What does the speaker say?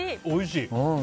おいしい。